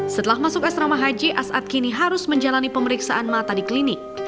setelah masuk asrama haji as'ad kini harus menjalani pemeriksaan mata di klinik